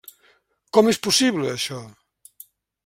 Com és possible, això?